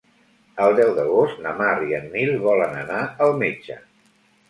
El deu d'agost na Mar i en Nil volen anar al metge.